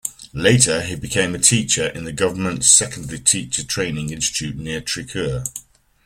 Later he became a teacher in the Government Secondary Teacher Training Institute near Trichur.